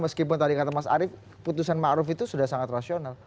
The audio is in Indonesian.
meskipun tadi kata mas arief putusan ma'ruf itu sudah sangat rasional